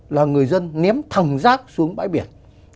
là người dân ném thẳng rác xuống bãi biển